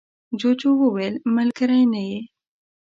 جوجو وویل ملگری نه یې.